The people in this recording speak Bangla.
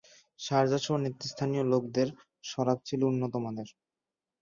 শারযাসহ নেতৃস্থানীয় লোকদের শরাব ছিল উন্নতমানের।